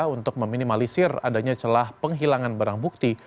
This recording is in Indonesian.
untuk meminimalisir adanya celah penghilangan barang bukti